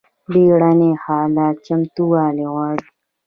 بیړني حالات چمتووالی غواړي